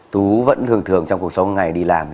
tú vẫn thường thường trong cuộc sống ngày đi làm